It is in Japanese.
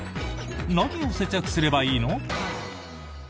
何を節約すればいいの？